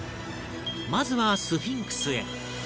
まずはスフィンクスへ